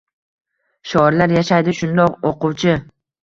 Shoirlar yashaydi shundoq. O’quvchi!